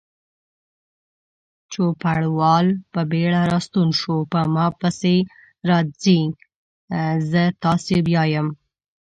چوپړوال په بیړه راستون شو: په ما پسې راځئ، زه تاسې بیایم.